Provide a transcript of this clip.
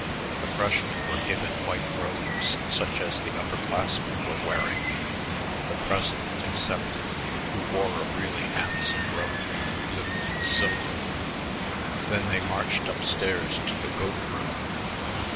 The freshmen were given white robes such as the upper classmen were wearing, the president excepted, who wore a really handsome robe of blue and silver. Then they marched up stairs to the "goat room."